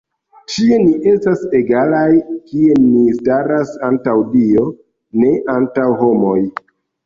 Ĉie ni estas egalaj, kie ni staras antaŭ Dio, ne antaŭ homoj.